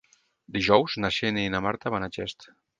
Dijous na Xènia i na Marta van a Xest.